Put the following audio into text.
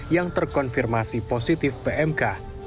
yang terkonfirmasi positif pmk